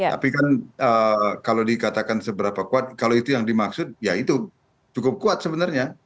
tapi kan kalau dikatakan seberapa kuat kalau itu yang dimaksud ya itu cukup kuat sebenarnya